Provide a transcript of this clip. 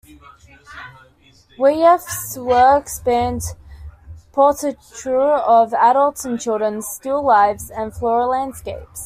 Wyeth's work spanned portraiture of adults and children, still lifes, and floral landscapes.